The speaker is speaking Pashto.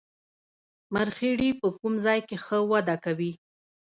مرخیړي په کوم ځای کې ښه وده کوي